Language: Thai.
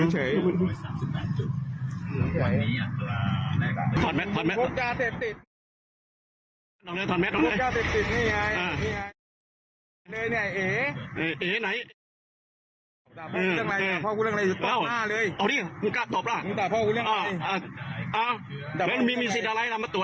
ถามทำไมไม่เอาคำตอบ